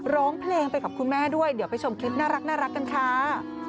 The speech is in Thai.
ร้องเพลงไปกับคุณแม่ด้วยเดี๋ยวไปชมคลิปน่ารักกันค่ะ